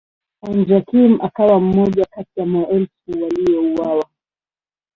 Andrea Kim akawa mmoja kati ya maelfu waliouawa.